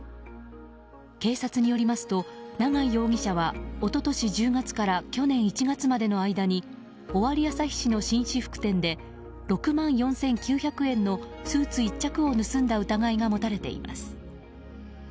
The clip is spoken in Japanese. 警察によりますと永井容疑者は一昨年１０月から去年１月までの間に尾張旭市の紳士服店で６万４９００円のスーツ１着を盗んだ疑いが持たれています。